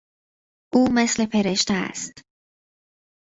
او مثل فرشته است.